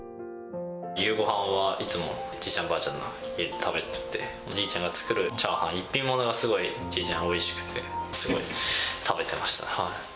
夕ごはんはいつも、じいちゃん、ばあちゃんの家で食べてて、おじいちゃんが作るチャーハン、一品ものがすごいじいちゃん、おいしくて、すごい食べてました。